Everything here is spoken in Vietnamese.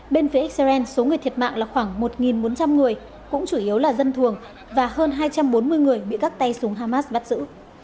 bên phía xrn số người thiệt mạng là khoảng một bốn trăm linh người cũng chủ yếu là dân thường và hơn hai trăm bốn mươi người bị các tay súng hamas bắt giữ